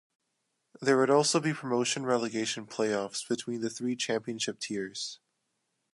There would also be promotion-relegation play-offs between the three championship tiers.